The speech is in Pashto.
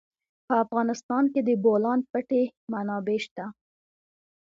په افغانستان کې د د بولان پټي منابع شته.